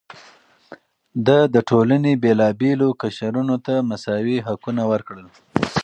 ده د ټولنې بېلابېلو قشرونو ته مساوي حقونه ورکړل.